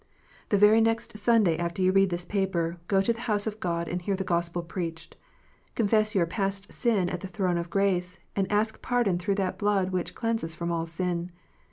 The very next Sunday after you read this paper, go to the house of God, and hear the Gospel preached. Confess your past sin at the throne of grace, and ask pardon through that blood which "cleanses from all sin."